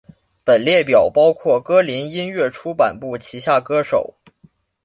本列表包括歌林音乐出版部旗下歌手。